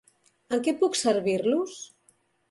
En què puc servir-los?